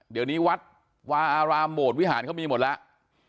เดี๋ยวนี้วัดวาอารามโหมดวิหารเขามีหมดแล้ว